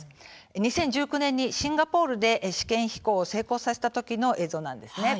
２０１９年にシンガポールで試験飛行を成功させたときの映像なんです。